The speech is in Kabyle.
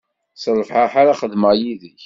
S lferḥ ara xedmeɣ yid-k.